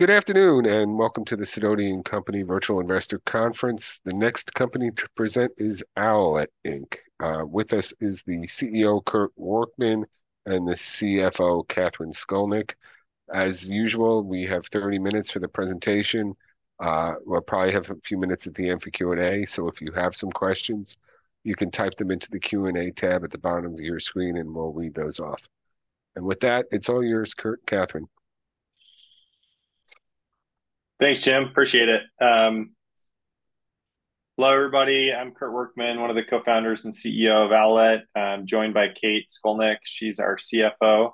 Good afternoon and welcome to the Sidoti & Company Virtual Investor Conference. The next company to present is Owlet Inc. With us is the CEO Kurt Workman and the CFO Kathryn Scolnick. As usual, we have 30 minutes for the presentation. We'll probably have a few minutes at the end for Q&A, so if you have some questions, you can type them into the Q&A tab at the bottom of your screen and we'll read those off. With that, it's all yours, Kurt, Kathryn. Thanks, Jim. Appreciate it. Hello everybody, I'm Kurt Workman, one of the co-founders and CEO of Owlet. I'm joined by Kate Scolnick. She's our CFO.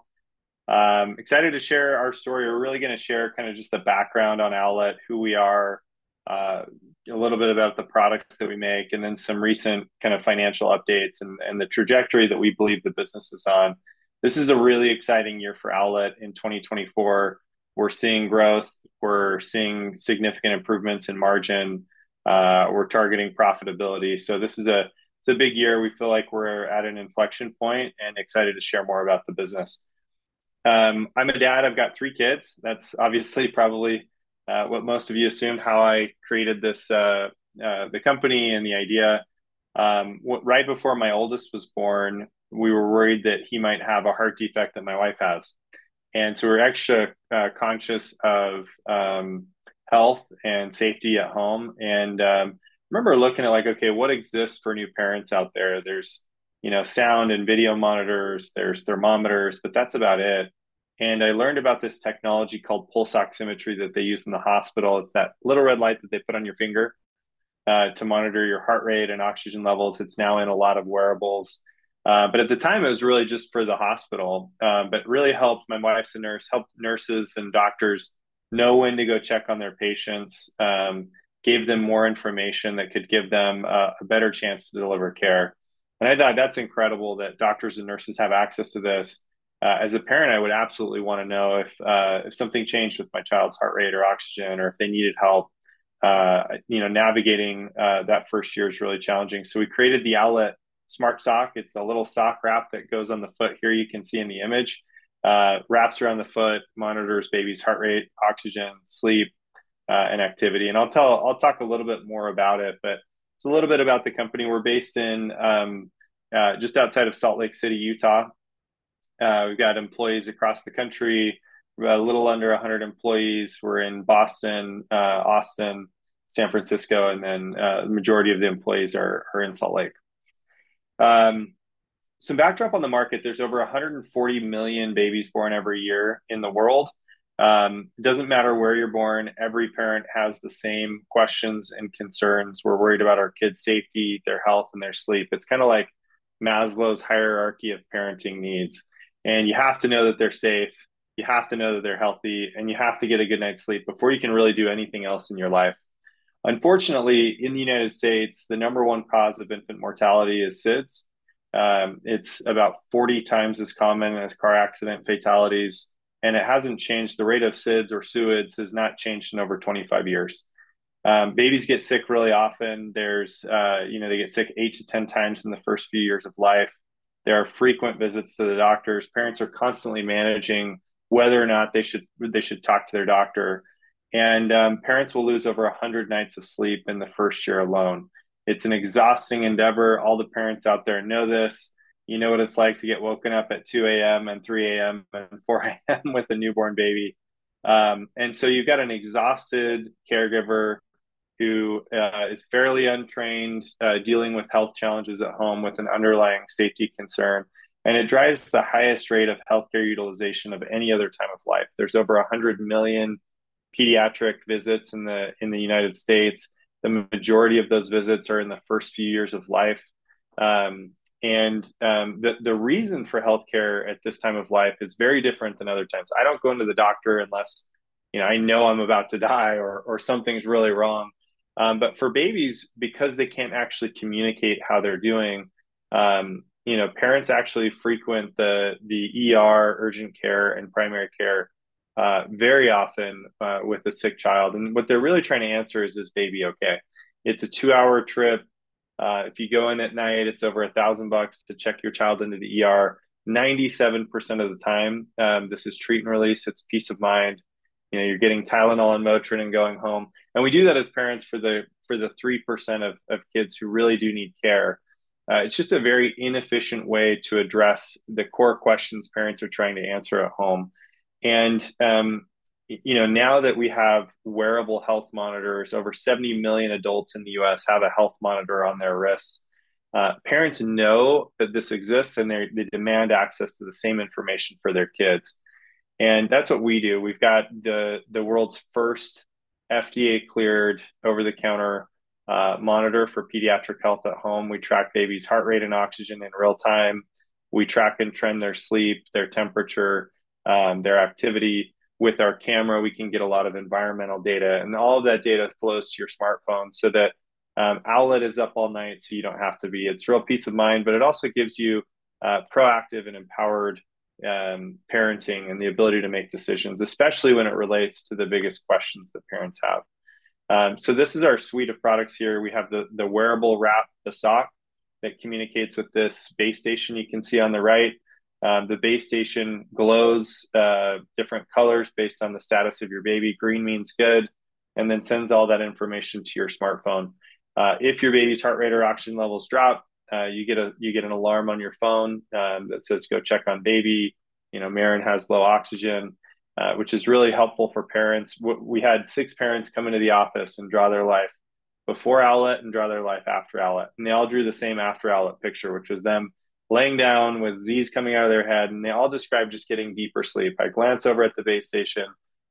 Excited to share our story. We're really going to share kind of just the background on Owlet, who we are, a little bit about the products that we make, and then some recent kind of financial updates and the trajectory that we believe the business is on. This is a really exciting year for Owlet in 2024. We're seeing growth. We're seeing significant improvements in margin. We're targeting profitability. So this is a big year. We feel like we're at an inflection point and excited to share more about the business. I'm a dad. I've got three kids. That's obviously probably what most of you assumed, how I created the company and the idea. Right before my oldest was born, we were worried that he might have a heart defect that my wife has. And so we're extra conscious of health and safety at home. And I remember looking at, like, okay, what exists for new parents out there? There's sound and video monitors. There's thermometers. But that's about it. And I learned about this technology called pulse oximetry that they use in the hospital. It's that little red light that they put on your finger to monitor your heart rate and oxygen levels. It's now in a lot of wearables. But at the time, it was really just for the hospital, but really helped my wife's nurse, helped nurses and doctors know when to go check on their patients, gave them more information that could give them a better chance to deliver care. I thought, that's incredible that doctors and nurses have access to this. As a parent, I would absolutely want to know if something changed with my child's heart rate or oxygen or if they needed help. Navigating that first year is really challenging. So we created the Owlet Smart Sock. It's a little sock wrap that goes on the foot. Here you can see in the image. Wraps around the foot, monitors baby's heart rate, oxygen, sleep, and activity. And I'll talk a little bit more about it, but it's a little bit about the company. We're based just outside of Salt Lake City, Utah. We've got employees across the country, a little under 100 employees. We're in Boston, Austin, San Francisco, and then the majority of the employees are in Salt Lake. Some backdrop on the market. There's over 140 million babies born every year in the world. It doesn't matter where you're born. Every parent has the same questions and concerns. We're worried about our kids' safety, their health, and their sleep. It's kind of like Maslow's hierarchy of parenting needs. And you have to know that they're safe. You have to know that they're healthy. And you have to get a good night's sleep before you can really do anything else in your life. Unfortunately, in the United States, the number one cause of infant mortality is SIDS. It's about 40 times as common as car accident fatalities. And it hasn't changed. The rate of SIDS or SUIDS has not changed in over 25 years. Babies get sick really often. They get sick eight to 10 times in the first few years of life. There are frequent visits to the doctors. Parents are constantly managing whether or not they should talk to their doctor. Parents will lose over 100 nights of sleep in the first year alone. It's an exhausting endeavor. All the parents out there know this. You know what it's like to get woken up at 2:00 A.M. and 3:00 A.M. and 4:00 A.M. with a newborn baby. And so you've got an exhausted caregiver who is fairly untrained, dealing with health challenges at home with an underlying safety concern. It drives the highest rate of healthcare utilization of any other time of life. There's over 100 million pediatric visits in the United States. The majority of those visits are in the first few years of life. The reason for healthcare at this time of life is very different than other times. I don't go into the doctor unless I know I'm about to die or something's really wrong. But for babies, because they can't actually communicate how they're doing, parents actually frequent the urgent care and primary care very often with a sick child. What they're really trying to answer is, "Is baby okay?" It's a two-hour trip. If you go in at night, it's over $1,000 to check your child into the 97% of the time. This is treat and release. It's peace of mind. You're getting Tylenol and Motrin and going home. We do that as parents for the 3% of kids who really do need care. It's just a very inefficient way to address the core questions parents are trying to answer at home. Now that we have wearable health monitors, over 70 million adults in the U.S. have a health monitor on their wrists. Parents know that this exists, and they demand access to the same information for their kids. That's what we do. We've got the world's first FDA-cleared over-the-counter monitor for pediatric health at home. We track baby's heart rate and oxygen in real time. We track and trend their sleep, their temperature, their activity. With our camera, we can get a lot of environmental data. All of that data flows to your smartphone so that Owlet is up all night so you don't have to be. It's real peace of mind, but it also gives you proactive and empowered parenting and the ability to make decisions, especially when it relates to the biggest questions that parents have. This is our suite of products here. We have the wearable wrap, the sock, that communicates with this base station you can see on the right. The base station glows different colors based on the status of your baby. Green means good. And then sends all that information to your smartphone. If your baby's heart rate or oxygen levels drop, you get an alarm on your phone that says, "Go check on baby. Maren has low oxygen," which is really helpful for parents. We had six parents come into the office and draw their life before Owlet and draw their life after Owlet. And they all drew the same after-Owlet picture, which was them laying down with Z's coming out of their head. And they all described just getting deeper sleep. I glance over at the base station.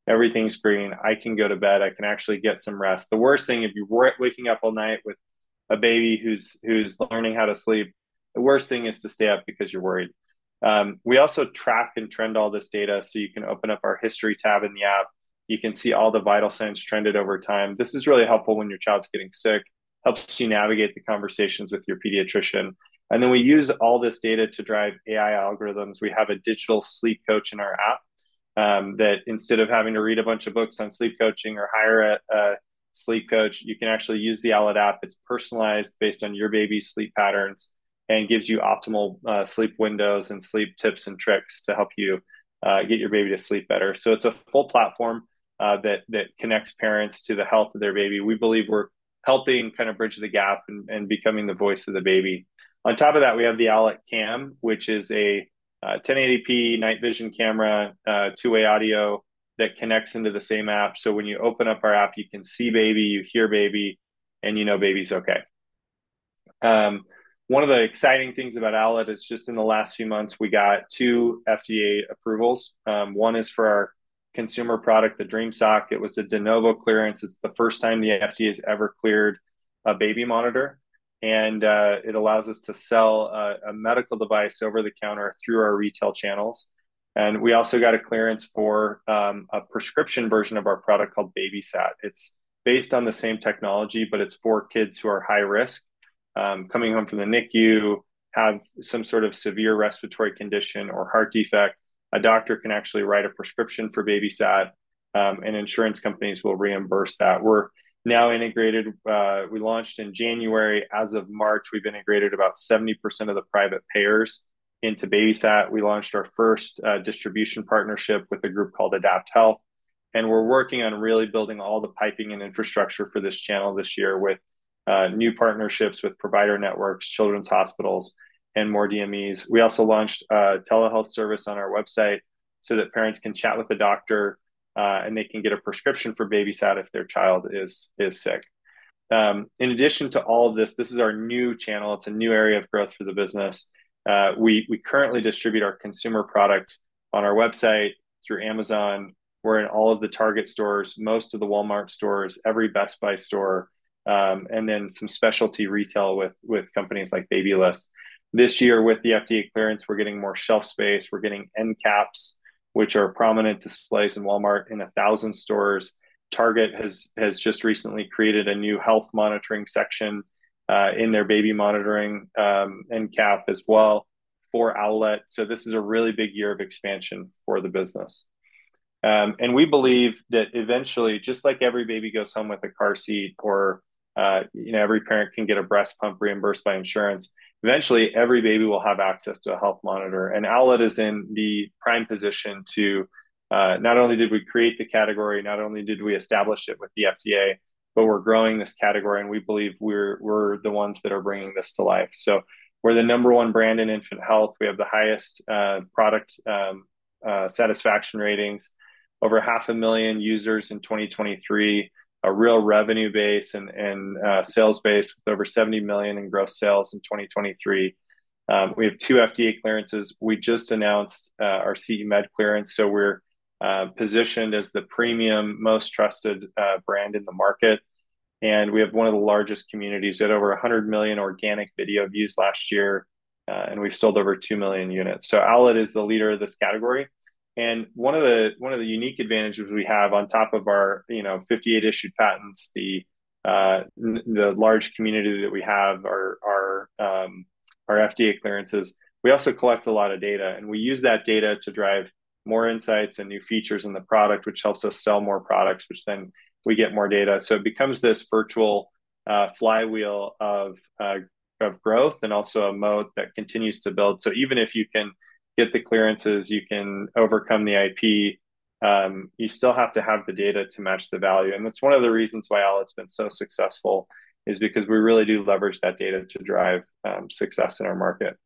Everything's green. I can go to bed. I can actually get some rest. The worst thing, if you weren't waking up all night with a baby who's learning how to sleep, the worst thing is to stay up because you're worried. We also track and trend all this data. So you can open up our history tab in the app. You can see all the vital signs trended over time. This is really helpful when your child's getting sick. Helps you navigate the conversations with your pediatrician. And then we use all this data to drive AI algorithms. We have a digital sleep coach in our app that, instead of having to read a bunch of books on sleep coaching or hire a sleep coach, you can actually use the Owlet app. It's personalized based on your baby's sleep patterns and gives you optimal sleep windows and sleep tips and tricks to help you get your baby to sleep better. So it's a full platform that connects parents to the health of their baby. We believe we're helping kind of bridge the gap and becoming the voice of the baby. On top of that, we have the Owlet Cam, which is a 1080p night vision camera, two-way audio that connects into the same app. So when you open up our app, you can see baby, you hear baby, and you know baby's okay. One of the exciting things about Owlet is just in the last few months, we got two FDA approvals. One is for our consumer product, the Dream Sock. It was a De Novo clearance. It's the first time the FDA has ever cleared a baby monitor. And it allows us to sell a medical device over the counter through our retail channels. And we also got a clearance for a prescription version of our product called BabySat. It's based on the same technology, but it's for kids who are high risk, coming home from the NICU, have some sort of severe respiratory condition or heart defect. A doctor can actually write a prescription for BabySat, and insurance companies will reimburse that. We're now integrated. We launched in January. As of March, we've integrated about 70% of the private payers into BabySat. We launched our first distribution partnership with a group called AdaptHealth. And we're working on really building all the piping and infrastructure for this channel this year with new partnerships with provider networks, children's hospitals, and more DMEs. We also launched a telehealth service on our website so that parents can chat with the doctor, and they can get a prescription for BabySat if their child is sick. In addition to all of this, this is our new channel. It's a new area of growth for the business. We currently distribute our consumer product on our website through Amazon. We're in all of the Target stores, most of the Walmart stores, every Best Buy store, and then some specialty retail with companies like BuyBuy Baby. This year, with the FDA clearance, we're getting more shelf space. We're getting endcaps, which are prominent displays in Walmart in 1,000 stores. Target has just recently created a new health monitoring section in their baby monitoring endcap as well for Owlet. So this is a really big year of expansion for the business. And we believe that eventually, just like every baby goes home with a car seat or every parent can get a breast pump reimbursed by insurance, eventually, every baby will have access to a health monitor. And Owlet is in the prime position to not only did we create the category, not only did we establish it with the FDA, but we're growing this category. We believe we're the ones that are bringing this to life. We're the number one brand in infant health. We have the highest product satisfaction ratings, over 500,000 users in 2023, a real revenue base and sales base with over $70 million in gross sales in 2023. We have two FDA clearances. We just announced our CE Mark clearance. We're positioned as the premium, most trusted brand in the market. We have one of the largest communities. We had over 100 million organic video views last year, and we've sold over 2 million units. Owlet is the leader of this category. One of the unique advantages we have, on top of our 58 issued patents, the large community that we have, our FDA clearances, we also collect a lot of data. We use that data to drive more insights and new features in the product, which helps us sell more products, which then we get more data. So it becomes this virtual flywheel of growth and also a moat that continues to build. So even if you can get the clearances, you can overcome the IP, you still have to have the data to match the value. That's one of the reasons why Owlet's been so successful is because we really do leverage that data to drive success in our market.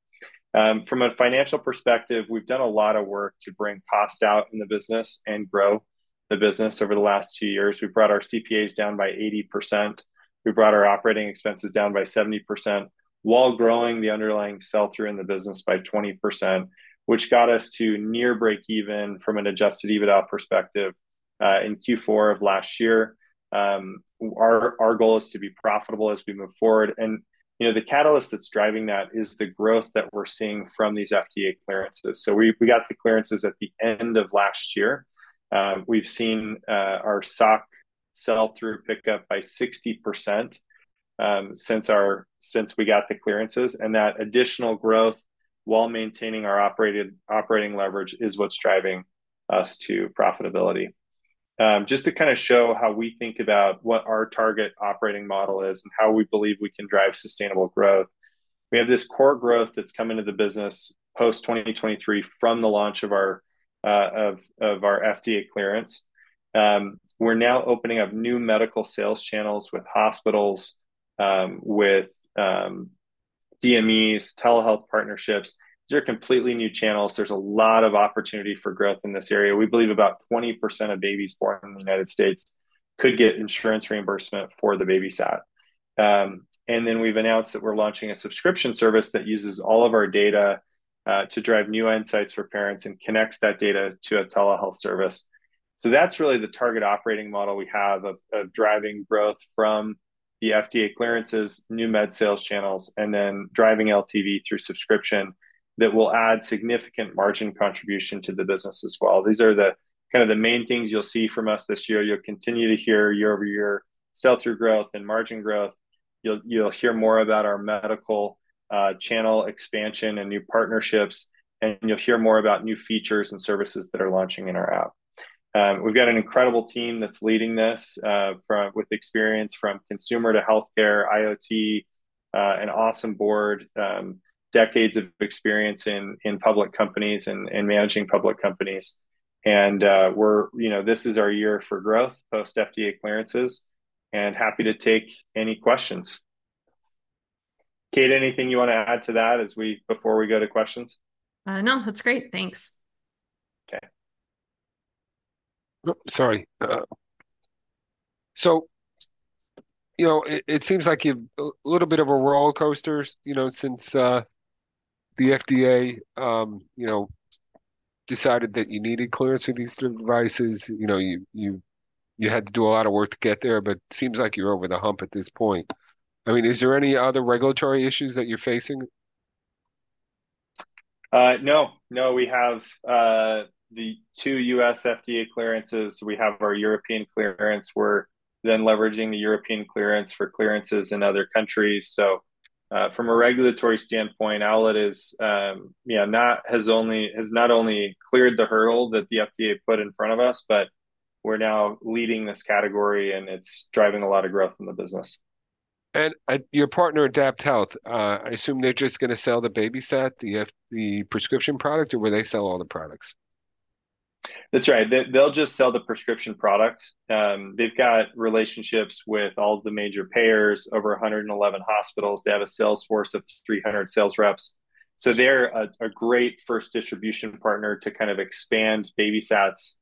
From a financial perspective, we've done a lot of work to bring cost out in the business and grow the business over the last two years. We brought our CPAs down by 80%. We brought our operating expenses down by 70%, while growing the underlying sell-through in the business by 20%, which got us to near break-even from an Adjusted EBITDA perspective in Q4 of last year. Our goal is to be profitable as we move forward. And the catalyst that's driving that is the growth that we're seeing from these FDA clearances. So we got the clearances at the end of last year. We've seen our Sock sell-through pick up by 60% since we got the clearances. And that additional growth, while maintaining our operating leverage, is what's driving us to profitability. Just to kind of show how we think about what our target operating model is and how we believe we can drive sustainable growth, we have this core growth that's come into the business post-2023 from the launch of our FDA clearance. We're now opening up new medical sales channels with hospitals, with DMEs, telehealth partnerships. These are completely new channels. There's a lot of opportunity for growth in this area. We believe about 20% of babies born in the United States could get insurance reimbursement for the BabySat. And then we've announced that we're launching a subscription service that uses all of our data to drive new insights for parents and connects that data to a telehealth service. So that's really the target operating model we have of driving growth from the FDA clearances, new med sales channels, and then driving LTV through subscription that will add significant margin contribution to the business as well. These are kind of the main things you'll see from us this year. You'll continue to hear year-over-year sell-through growth and margin growth. You'll hear more about our medical channel expansion and new partnerships. You'll hear more about new features and services that are launching in our app. We've got an incredible team that's leading this with experience from consumer to healthcare, IoT, an awesome board, decades of experience in public companies and managing public companies. This is our year for growth post-FDA clearances. Happy to take any questions. Kate, anything you want to add to that before we go to questions? No, that's great. Thanks. Okay. Sorry. So it seems like you've a little bit of a roller coaster since the FDA decided that you needed clearance for these devices. You had to do a lot of work to get there, but it seems like you're over the hump at this point. I mean, is there any other regulatory issues that you're facing? No, no. We have the two U.S. FDA clearances. We have our European clearance. We're then leveraging the European clearance for clearances in other countries. So from a regulatory standpoint, Owlet has not only cleared the hurdle that the FDA put in front of us, but we're now leading this category, and it's driving a lot of growth in the business. Your partner, AdaptHealth, I assume they're just going to sell the BabySat, the prescription product, or will they sell all the products? That's right. They'll just sell the prescription product. They've got relationships with all of the major payers, over 111 hospitals. They have a sales force of 300 sales reps. So they're a great first distribution partner to kind of expand BabySat's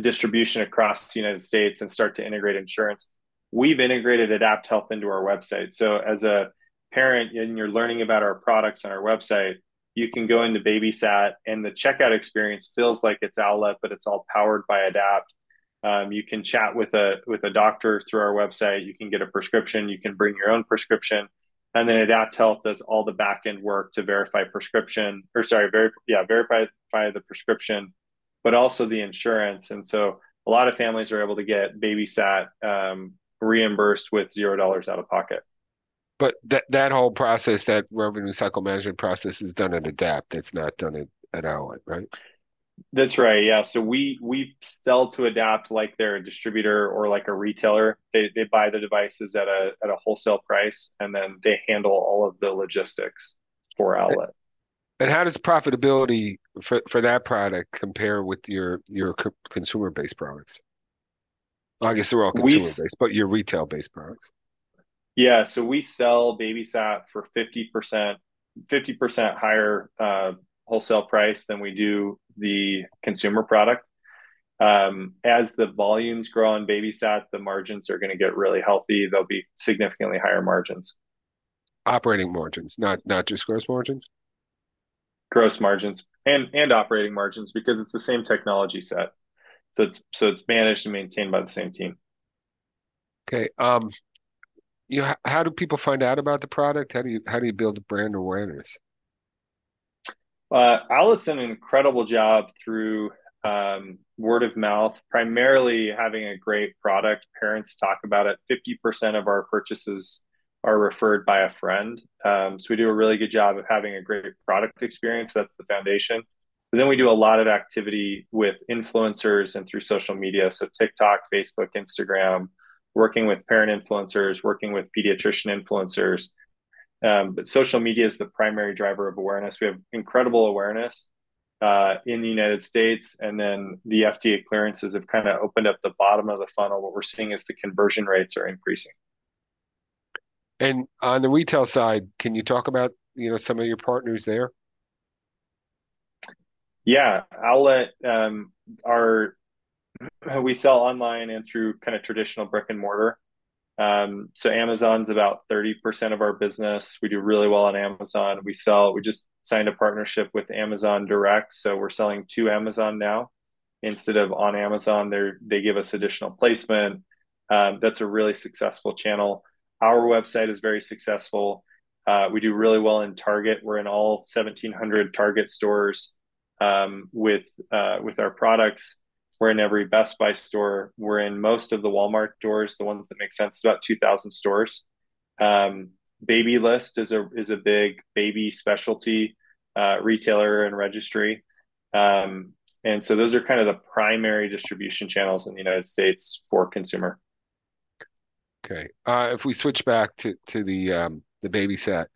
distribution across the United States and start to integrate insurance. We've integrated AdaptHealth into our website. So as a parent and you're learning about our products on our website, you can go into BabySat, and the checkout experience feels like it's Owlet, but it's all powered by AdaptHealth. You can chat with a doctor through our website. You can get a prescription. You can bring your own prescription. And then AdaptHealth does all the backend work to verify prescription or sorry, yeah, verify the prescription, but also the insurance. And so a lot of families are able to get BabySat reimbursed with $0 out of pocket. But that whole process, that revenue cycle management process, is done at Adapt. It's not done at Owlet, right? That's right. Yeah. We sell to Adapt like they're a distributor or like a retailer. They buy the devices at a wholesale price, and then they handle all of the logistics for Owlet. How does profitability for that product compare with your consumer-based products? I guess they're all consumer-based, but your retail-based products. Yeah. We sell BabySat for 50% higher wholesale price than we do the consumer product. As the volumes grow on BabySat, the margins are going to get really healthy. There'll be significantly higher margins. Operating margins, not just gross margins? Gross margins and operating margins because it's the same technology set. So it's managed and maintained by the same team. Okay. How do people find out about the product? How do you build brand awareness? Owlet's done an incredible job through word of mouth, primarily having a great product. Parents talk about it. 50% of our purchases are referred by a friend. So we do a really good job of having a great product experience. That's the foundation. But then we do a lot of activity with influencers and through social media, so TikTok, Facebook, Instagram, working with parent influencers, working with pediatrician influencers. But social media is the primary driver of awareness. We have incredible awareness in the United States. And then the FDA clearances have kind of opened up the bottom of the funnel. What we're seeing is the conversion rates are increasing. On the retail side, can you talk about some of your partners there? Yeah. Owlet, we sell online and through kind of traditional brick and mortar. So Amazon's about 30% of our business. We do really well on Amazon. We just signed a partnership with Amazon Direct. So we're selling to Amazon now instead of on Amazon. They give us additional placement. That's a really successful channel. Our website is very successful. We do really well in Target. We're in all 1,700 Target stores with our products. We're in every Best Buy store. We're in most of the Walmart doors, the ones that make sense. It's about 2,000 stores. BuyBuy Baby is a big baby specialty retailer and registry. And so those are kind of the primary distribution channels in the United States for consumer. Okay. If we switch back to the BabySat,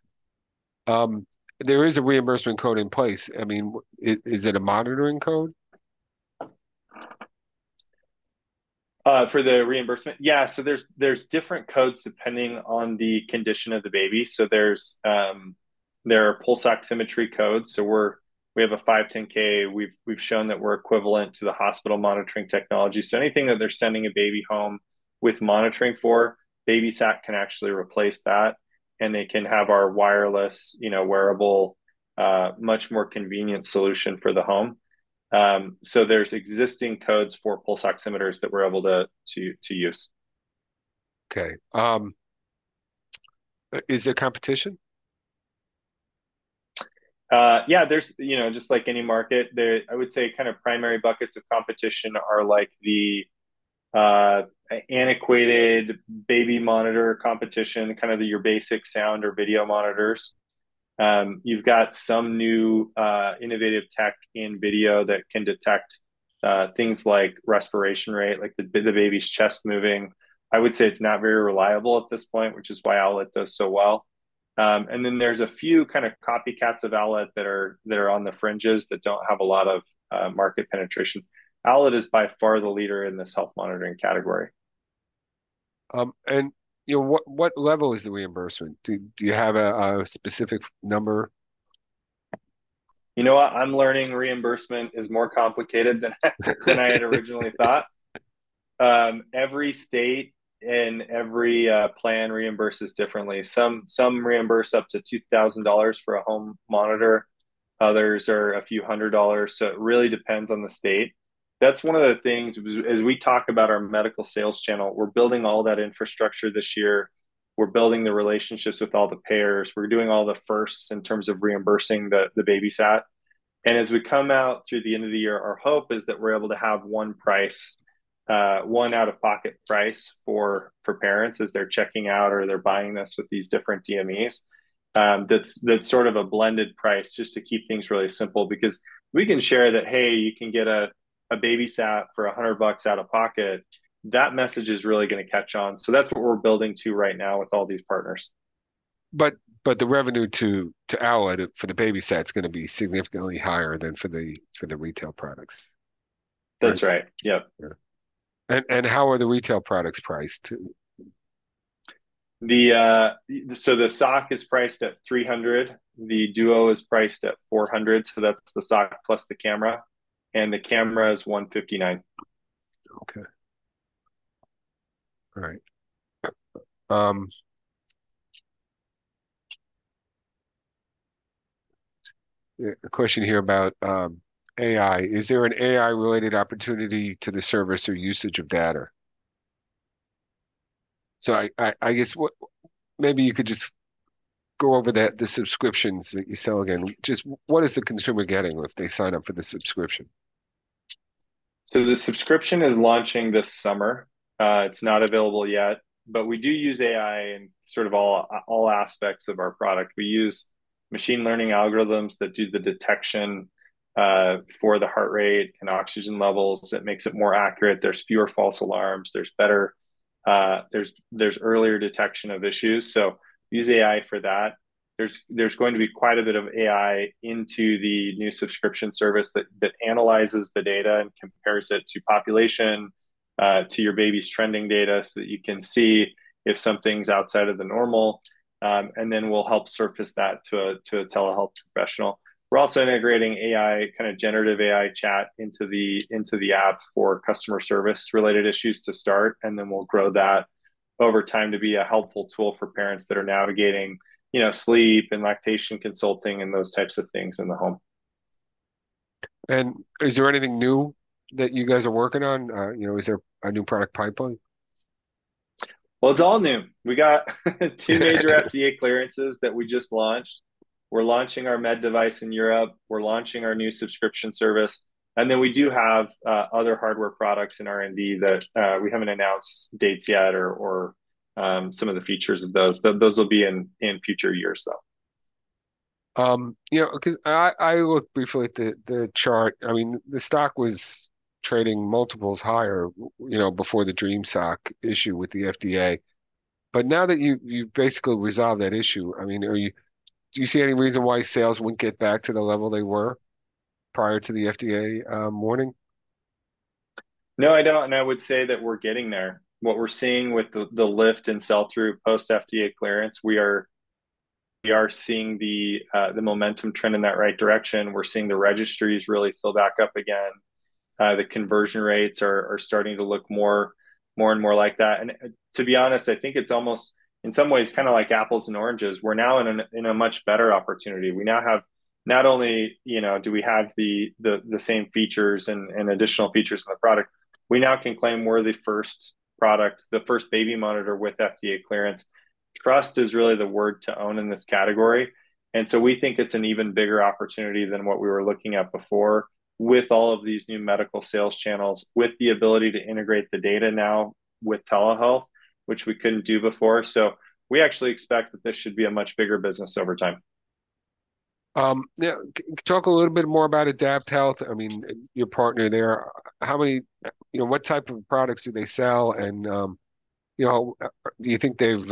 there is a reimbursement code in place. I mean, is it a monitoring code? For the reimbursement? Yeah. So there's different codes depending on the condition of the baby. So there are pulse oximetry codes. So we have a 510(k). We've shown that we're equivalent to the hospital monitoring technology. So anything that they're sending a baby home with monitoring for, BabySat can actually replace that. And they can have our wireless, wearable, much more convenient solution for the home. So there's existing codes for pulse oximeters that we're able to use. Okay. Is there competition? Yeah. Just like any market, I would say kind of primary buckets of competition are the antiquated baby monitor competition, kind of your basic sound or video monitors. You've got some new innovative tech in video that can detect things like respiration rate, like the baby's chest moving. I would say it's not very reliable at this point, which is why Owlet does so well. And then there's a few kind of copycats of Owlet that are on the fringes that don't have a lot of market penetration. Owlet is by far the leader in this health monitoring category. What level is the reimbursement? Do you have a specific number? You know what? I'm learning reimbursement is more complicated than I had originally thought. Every state and every plan reimburses differently. Some reimburse up to $2,000 for a home monitor. Others are a few hundred dollars. So it really depends on the state. That's one of the things as we talk about our medical sales channel, we're building all that infrastructure this year. We're building the relationships with all the payers. We're doing all the firsts in terms of reimbursing the BabySat. And as we come out through the end of the year, our hope is that we're able to have one price, one out-of-pocket price for parents as they're checking out or they're buying this with these different DMEs. That's sort of a blended price just to keep things really simple because we can share that, "Hey, you can get a BabySat for $100 out of pocket." That message is really going to catch on. So that's what we're building to right now with all these partners. But the revenue to Owlet for the BabySat is going to be significantly higher than for the retail products. That's right. Yep. How are the retail products priced? The Sock is priced at $300. The Duo is priced at $400. That's the Sock plus the camera. The camera is $159. Okay. All right. A question here about AI. Is there an AI-related opportunity to the service or usage of data? So I guess maybe you could just go over the subscriptions that you sell again. Just what is the consumer getting if they sign up for the subscription? So the subscription is launching this summer. It's not available yet. But we do use AI in sort of all aspects of our product. We use machine learning algorithms that do the detection for the heart rate and oxygen levels. It makes it more accurate. There's fewer false alarms. There's earlier detection of issues. So use AI for that. There's going to be quite a bit of AI into the new subscription service that analyzes the data and compares it to population, to your baby's trending data so that you can see if something's outside of the normal. And then we'll help surface that to a telehealth professional. We're also integrating kind of generative AI chat into the app for customer service-related issues to start. And then we'll grow that over time to be a helpful tool for parents that are navigating sleep and lactation consulting and those types of things in the home. Is there anything new that you guys are working on? Is there a new product pipeline? Well, it's all new. We got two major FDA clearances that we just launched. We're launching our med device in Europe. We're launching our new subscription service. And then we do have other hardware products in R&D that we haven't announced dates yet or some of the features of those. Those will be in future years, though. Because I looked briefly at the chart. I mean, the stock was trading multiples higher before the Dream Sock issue with the FDA. But now that you've basically resolved that issue, I mean, do you see any reason why sales wouldn't get back to the level they were prior to the FDA warning? No, I don't. I would say that we're getting there. What we're seeing with the lift in sell-through post-FDA clearance, we are seeing the momentum trend in that right direction. We're seeing the registries really fill back up again. The conversion rates are starting to look more and more like that. And to be honest, I think it's almost in some ways kind of like apples and oranges. We're now in a much better opportunity. We now have not only do we have the same features and additional features in the product, we now can claim we're the first product, the first baby monitor with FDA clearance. Trust is really the word to own in this category. We think it's an even bigger opportunity than what we were looking at before with all of these new medical sales channels, with the ability to integrate the data now with telehealth, which we couldn't do before. We actually expect that this should be a much bigger business over time. Yeah. Talk a little bit more about AdaptHealth. I mean, your partner there, what type of products do they sell? And do you think they've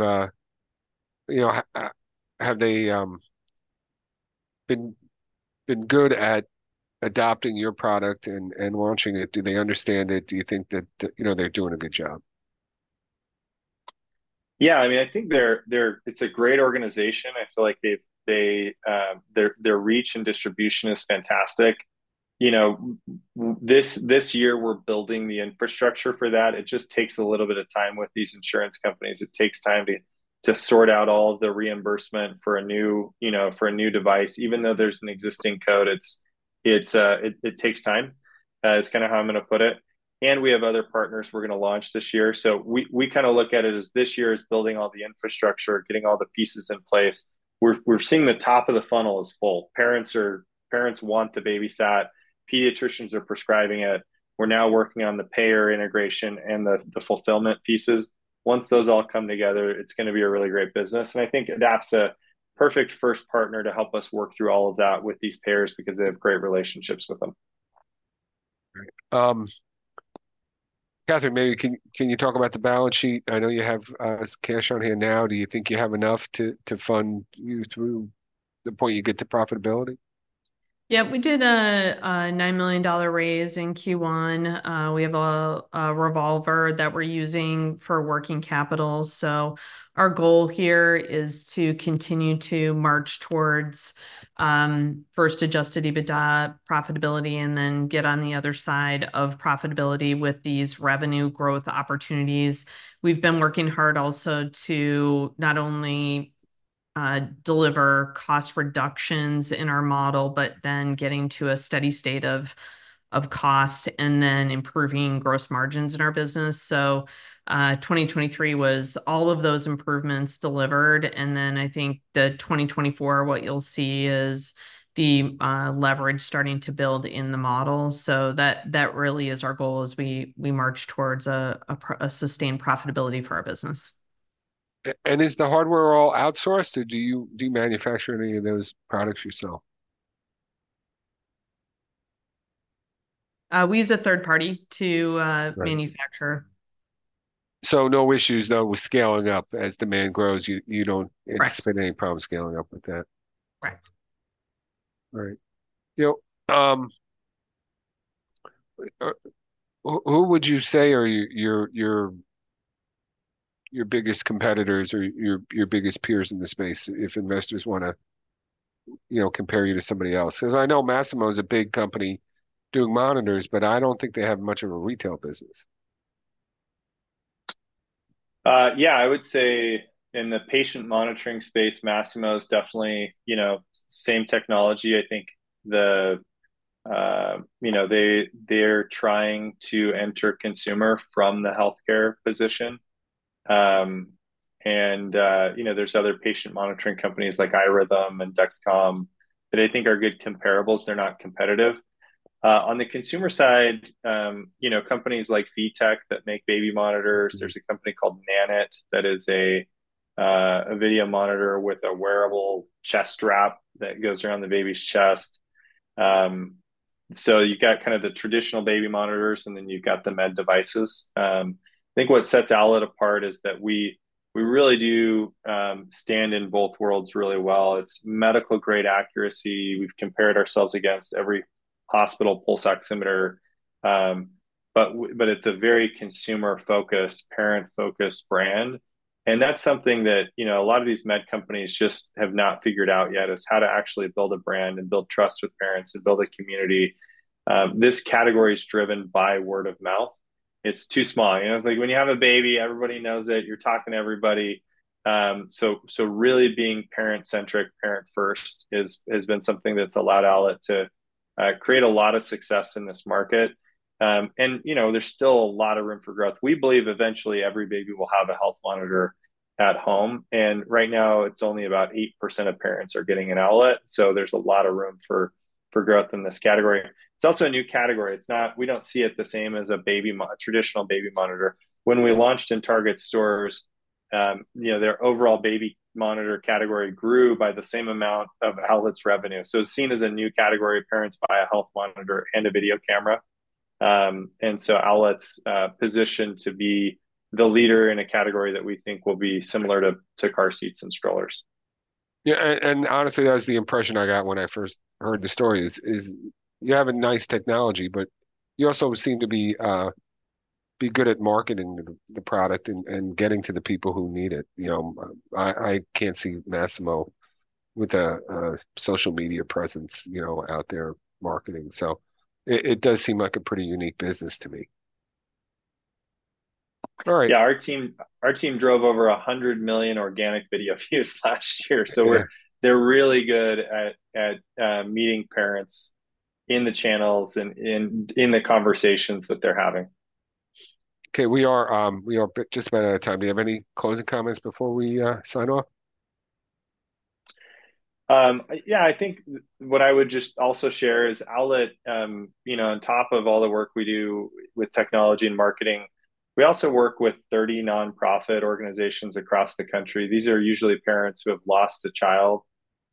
been good at adopting your product and launching it? Do they understand it? Do you think that they're doing a good job? Yeah. I mean, I think it's a great organization. I feel like their reach and distribution is fantastic. This year, we're building the infrastructure for that. It just takes a little bit of time with these insurance companies. It takes time to sort out all of the reimbursement for a new device. Even though there's an existing code, it takes time. It's kind of how I'm going to put it. And we have other partners we're going to launch this year. So we kind of look at it as this year is building all the infrastructure, getting all the pieces in place. We're seeing the top of the funnel is full. Parents want the BabySat. Pediatricians are prescribing it. We're now working on the payer integration and the fulfillment pieces. Once those all come together, it's going to be a really great business. I think AdaptHealth's a perfect first partner to help us work through all of that with these payers because they have great relationships with them. All right. Kathryn, maybe can you talk about the balance sheet? I know you have cash on hand now. Do you think you have enough to fund you through the point you get to profitability? Yeah. We did a $9 million raise in Q1. We have a revolver that we're using for working capital. So our goal here is to continue to march towards first Adjusted EBITDA profitability, and then get on the other side of profitability with these revenue growth opportunities. We've been working hard also to not only deliver cost reductions in our model, but then getting to a steady state of cost and then improving gross margins in our business. So 2023 was all of those improvements delivered. And then I think the 2024, what you'll see is the leverage starting to build in the model. So that really is our goal as we march towards a sustained profitability for our business. Is the hardware all outsourced, or do you manufacture any of those products yourself? We use a third party to manufacture. No issues, though, with scaling up as demand grows? You don't anticipate any problems scaling up with that? Correct. All right. Who would you say are your biggest competitors or your biggest peers in the space if investors want to compare you to somebody else? Because I know Masimo is a big company doing monitors, but I don't think they have much of a retail business. Yeah. I would say in the patient monitoring space, Masimo is definitely same technology. I think they're trying to enter consumer from the healthcare position. There's other patient monitoring companies like iRhythm and Dexcom that I think are good comparables. They're not competitive. On the consumer side, companies like VTech that make baby monitors, there's a company called Nanit that is a video monitor with a wearable chest wrap that goes around the baby's chest. So you've got kind of the traditional baby monitors, and then you've got the med devices. I think what sets Owlet apart is that we really do stand in both worlds really well. It's medical-grade accuracy. We've compared ourselves against every hospital pulse oximeter. But it's a very consumer-focused, parent-focused brand. That's something that a lot of these med companies just have not figured out yet is how to actually build a brand and build trust with parents and build a community. This category is driven by word of mouth. It's too small. It's like when you have a baby, everybody knows it. You're talking to everybody. Really being parent-centric, parent-first has been something that's allowed Owlet to create a lot of success in this market. There's still a lot of room for growth. We believe eventually every baby will have a health monitor at home. Right now, it's only about 8% of parents are getting an Owlet. There's a lot of room for growth in this category. It's also a new category. We don't see it the same as a traditional baby monitor. When we launched in Target stores, their overall baby monitor category grew by the same amount of Owlet's revenue. So it's seen as a new category. Parents buy a health monitor and a video camera. And so Owlet's positioned to be the leader in a category that we think will be similar to car seats and strollers. Yeah. And honestly, that was the impression I got when I first heard the story is you have a nice technology, but you also seem to be good at marketing the product and getting to the people who need it. I can't see Masimo with a social media presence out there marketing. So it does seem like a pretty unique business to me. All right. Yeah. Our team drove over 100 million organic video views last year. So they're really good at meeting parents in the channels and in the conversations that they're having. Okay. We are just about out of time. Do you have any closing comments before we sign off? Yeah. I think what I would just also share is Owlet, on top of all the work we do with technology and marketing, we also work with 30 nonprofit organizations across the country. These are usually parents who have lost a child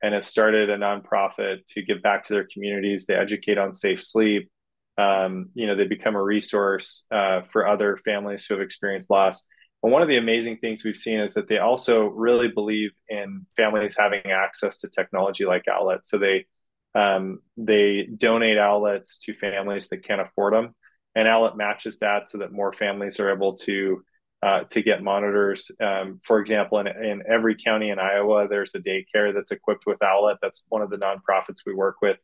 and have started a nonprofit to give back to their communities. They educate on safe sleep. They become a resource for other families who have experienced loss. And one of the amazing things we've seen is that they also really believe in families having access to technology like Owlet. So they donate Owlets to families that can't afford them. And Owlet matches that so that more families are able to get monitors. For example, in every county in Iowa, there's a daycare that's equipped with Owlet. That's one of the nonprofits we work with,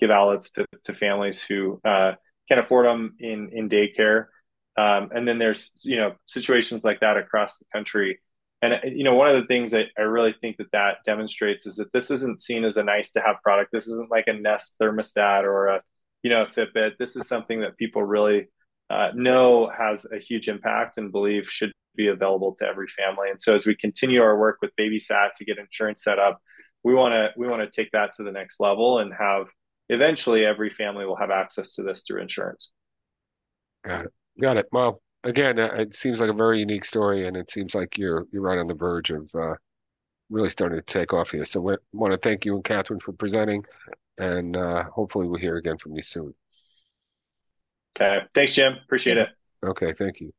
give Owlets to families who can't afford them in daycare. Then there's situations like that across the country. One of the things that I really think that that demonstrates is that this isn't seen as a nice-to-have product. This isn't like a Nest thermostat or a Fitbit. This is something that people really know has a huge impact and believe should be available to every family. So as we continue our work with BabySat to get insurance set up, we want to take that to the next level and have eventually, every family will have access to this through insurance. Got it. Got it. Well, again, it seems like a very unique story, and it seems like you're right on the verge of really starting to take off here. So I want to thank you and Kathryn for presenting. And hopefully, we'll hear again from you soon. Okay. Thanks, Jim. Appreciate it. Okay. Thank you.